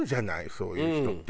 そういう人って。